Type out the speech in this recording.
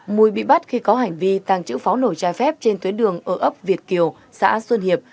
mùi bị bắt khi có hành vi tàng trữ pháo nổi trái phép trên tuyến đường ở ấp việt kiều xã xuân hiệp